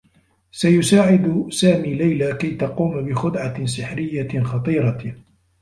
سيساعد سامي ليلى كي تقوم بخدعة سحريّة خطيرة.